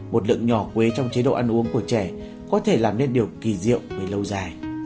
một lượng nhỏ quế trong chế độ ăn uống của trẻ có thể làm nên điều kỳ diệu về lâu dài